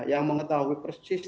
yang mengetahui persis